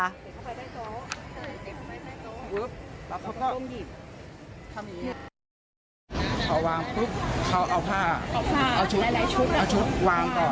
เอาชุดวางก่อนแล้วก็ลูกชุดลง